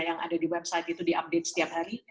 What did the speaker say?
yang ada di website itu diupdate setiap hari